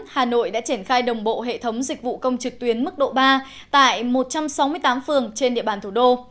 hà nội đã triển khai đồng bộ hệ thống dịch vụ công trực tuyến mức độ ba tại một trăm sáu mươi tám phường trên địa bàn thủ đô